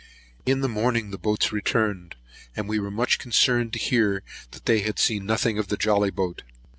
In the morning the boats returned; and we were much concerned to hear that they had seen nothing of the jolly boat.